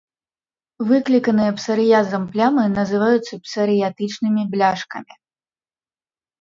Выкліканыя псарыязам плямы называюцца псарыятычнымі бляшкамі.